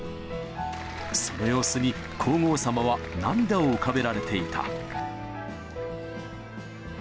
その様子に、皇后さまは涙を浮かべられていた。